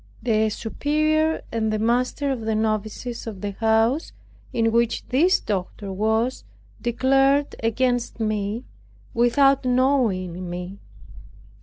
The Superior, and the master of the novices of the house in which this doctor was declared against me, without knowing me.